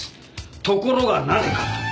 ところがなぜか。